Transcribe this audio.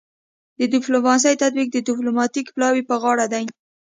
د ډیپلوماسي تطبیق د ډیپلوماتیک پلاوي په غاړه دی